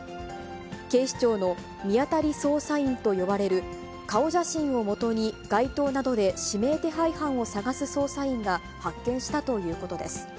警視庁の見当たり捜査員と呼ばれる、顔写真をもとに街頭などで指名手配犯を捜す捜査員が発見したということです。